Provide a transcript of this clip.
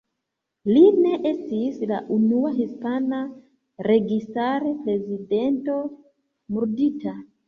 Li ne estis la unua hispana registar-prezidento murdita.